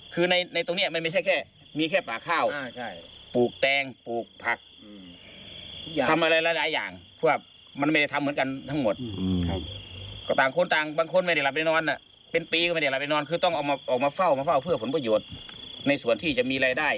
ข้ายไปนอนจะต้องเอามาเฝ้าเพื่อผลประโยชน์ในส่วนที่จะมีรายได้